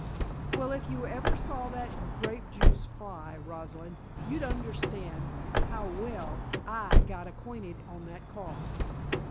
"Well, if you ever saw that grape juice fly, Rosalind, you'd understand how well I got acquainted on that car!"